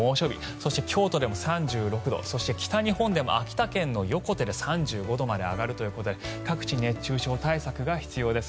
そして京都でも３６度北日本秋田県の横手で３５度まで上がるということで各地、熱中症対策が必要です。